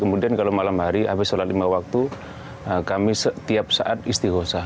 kemudian kalau malam hari habis sholat lima waktu kami setiap saat istighosah